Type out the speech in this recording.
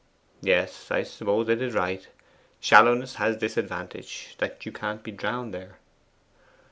'Yes; I suppose it is right. Shallowness has this advantage, that you can't be drowned there.